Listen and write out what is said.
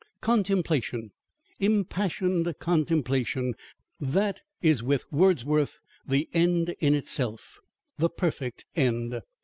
Contemplation impassioned contemplation that, is with Wordsworth the end in itself, the perfect end.